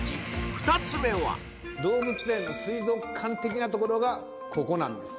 ２つ目は動物園の水族館的なところがここなんです